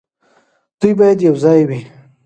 دوی باید یوځای وي.